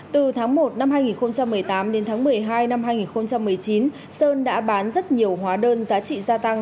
từ tháng một năm hai nghìn một mươi tám đến tháng một mươi hai năm hai nghìn một mươi chín sơn đã bán rất nhiều hóa đơn giá trị gia tăng